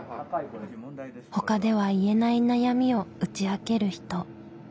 ほかでは言えない悩みを打ち明ける人。